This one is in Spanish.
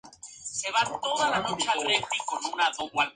Walsh se quedó impresionado por su talento y ella firmó con Polydor Records.